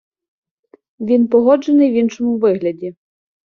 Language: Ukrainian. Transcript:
Він погоджений в іншому вигляді.